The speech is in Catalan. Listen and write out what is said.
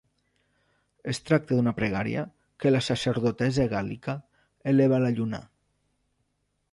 Es tracta d’una pregària que la sacerdotessa gàl·lica eleva a la lluna.